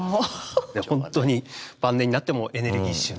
本当に晩年になってもエネルギッシュな。